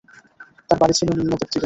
তাঁর বাড়ি ছিল নীলনদের তীরে।